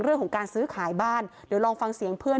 เรื่องของการซื้อขายบ้านเดี๋ยวลองฟังเสียงเพื่อน